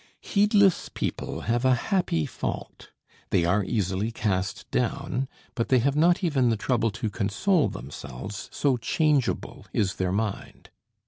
Heedless people have a happy fault. They are easily cast down, but they have not even the trouble to console themselves, so changeable is their mind.